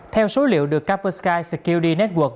theo số liệu được capersky security network